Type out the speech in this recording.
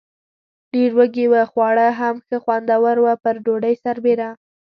ډېر وږي و، خواړه هم ښه خوندور و، پر ډوډۍ سربېره.